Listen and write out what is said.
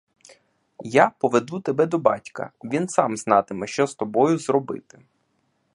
Я поведу тебе до батька — він сам знатиме, що з тобою зробити.